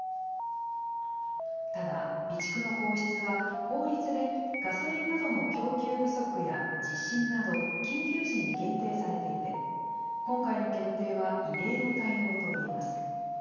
ただ、備蓄の放出は、法律でガソリンなどの供給不足や地震など、緊急時に限定されていて、今回の決定は異例の対応といえます。